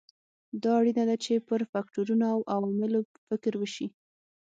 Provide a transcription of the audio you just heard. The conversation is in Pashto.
دا اړینه ده چې پر فکټورونو او عواملو فکر وشي.